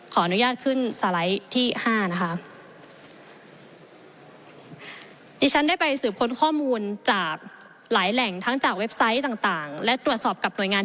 ขออนุญาตขึ้นสไลด์ที่ห้านะคะนี่ฉันได้ไปสืบค้นข้อมูลจากหลายแหล่งทั้งจากเว็บไซต์ต่าง